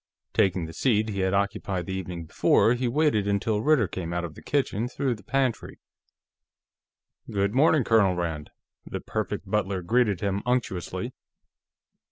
Taking the seat he had occupied the evening before, he waited until Ritter came out of the kitchen through the pantry. "Good morning, Colonel Rand," the Perfect Butler greeted him unctuously.